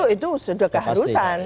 itu sudah keharusan